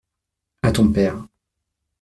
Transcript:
À ton père.